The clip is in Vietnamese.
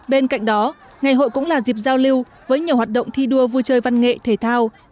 bên cạnh đó ngày hội cũng là dịp giao lưu với nhiều hoạt động thi đua vui chơi văn nghệ thể thao